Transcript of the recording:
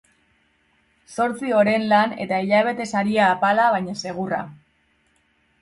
Zortzi oren lan eta hilabete saria apala baina segurra.